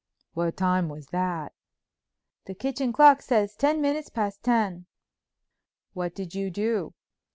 "What time was that?" "The kitchen clock says ten minutes past ten." "What did you do?"